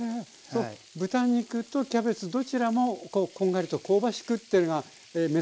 豚肉とキャベツどちらもこんがりと香ばしくっていうのが目指すところ。